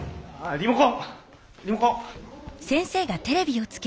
リモコン。